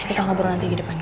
kita ngobrol nanti di depannya